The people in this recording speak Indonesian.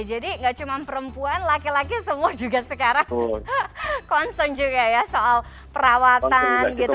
jadi nggak cuma perempuan laki laki semua juga sekarang concern juga ya soal perawatan gitu